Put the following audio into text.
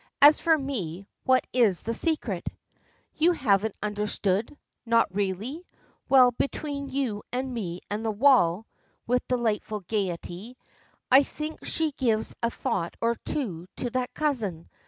"As for me, what is the secret?" "You haven't understood? Not really? Well, between you and me and the wall," with delightful gaiety, "I think she gives a thought or two to that cousin.